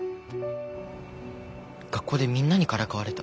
学校でみんなにからかわれた。